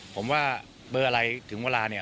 ผมว่าเบอร์อะไรถึงเวลาเนี่ย